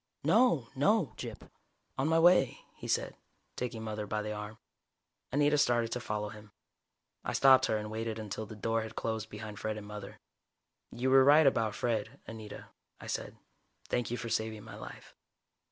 "No. No, Gyp. On my way," he said, taking Mother by the arm. Anita started to follow him. I stopped her and waited until the door had closed behind Fred and Mother. "You were right about Fred, Anita," I said. "Thank you for saving my life."